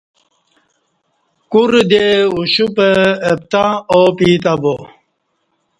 کورہ دے اُشوپہ اپتں آو پی تں با